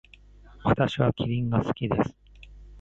私はキリンが好きです。